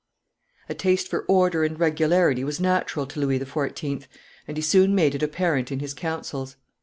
A taste for order and regularity was natural to Louis XIV., and he soon made it apparent in his councils.